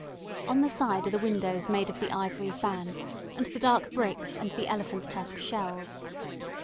On the side are the windows made of the ivory fan, and the dark bricks and the elephant tusk shells.